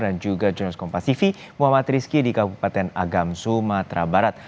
dan juga jurnalis kompasivi muhammad rizky di kabupaten agam sumatera barat